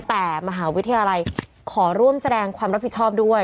แต่มหาวิทยาลัยขอร่วมแสดงความรับผิดชอบด้วย